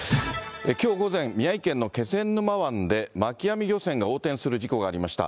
きょう午前、宮城県の気仙沼湾で、巻き網漁船が横転する事故がありました。